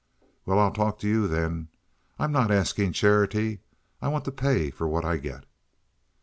"Well, I'll talk to you, then. I'm not asking charity. I want to pay for what I get."